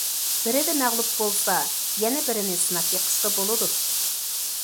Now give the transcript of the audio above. بىرىدە مەغلۇپ بولسا، يەنە بىرىنى سىناپ بېقىشقا بولىدۇ.